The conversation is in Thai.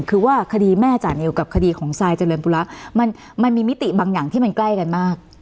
คือว่าคดีแม่จานิวกับคดีของซายเจริญปุระมันมีมิติบางอย่างที่มันใกล้กันมาก